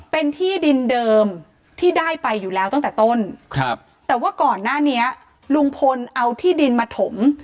เป็นที่ดินเดิมที่ได้ไปอยู่แล้วตั้งแต่ต้นครับแต่ว่าก่อนหน้านี้ลุงพลเอาที่ดินมาถม